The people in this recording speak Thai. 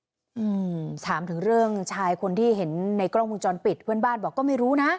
อืมถามถึงเรื่องชายคนที่เห็นในกล้องวงจรปิดเพื่อนบ้านบอกก็ไม่รู้นะ